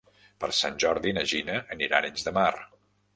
Per Sant Jordi na Gina anirà a Arenys de Mar.